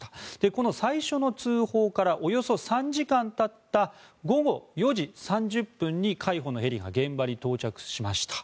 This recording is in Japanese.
この最初の通報からおよそ３時間たった午後４時３０分に海保のヘリが現場に到着しました。